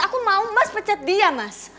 aku mau mas pecat dia mas